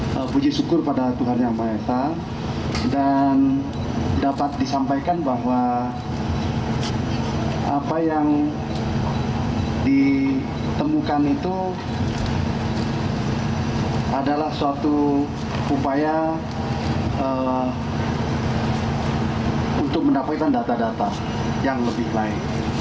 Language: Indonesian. saya puji syukur kepada tuhan yang maha esa dan dapat disampaikan bahwa apa yang ditemukan itu adalah suatu upaya untuk mendapatkan data data yang lebih baik